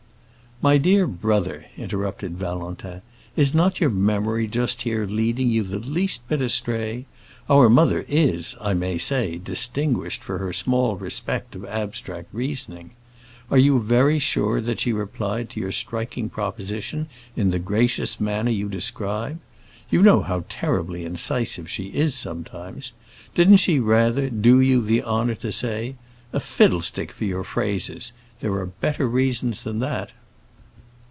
"My dear brother," interrupted Valentin, "is not your memory just here leading you the least bit astray? Our mother is, I may say, distinguished for her small respect of abstract reasoning. Are you very sure that she replied to your striking proposition in the gracious manner you describe? You know how terribly incisive she is sometimes. Didn't she, rather, do you the honor to say, 'A fiddlestick for your phrases! There are better reasons than that?